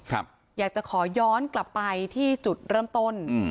อยากจะขอย้อนกลับไปที่จุดเริ่มต้นอืม